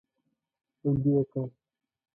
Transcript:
بندي یې کړ.